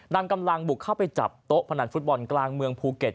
นำกำลังบุกเข้าไปจับโต๊ะพนันฟุตบอลกลางเมืองภูเก็ต